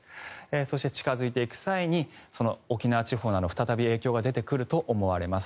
そして、近付いていく際に沖縄地方など再び影響が出てくると思います。